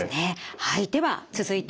はい。